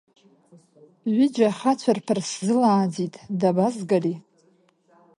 Ҩыџьа ахацәарԥар сзылааӡеит, дабазгари?